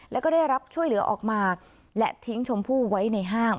แล้วก็ได้รับช่วยเหลือออกมาและทิ้งชมพู่ไว้ในห้าง